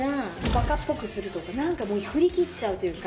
バカっぽくするとか何かもう振り切っちゃうというか。